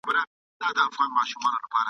ته ملامت نه یې ګیله من له چا زه هم نه یم ..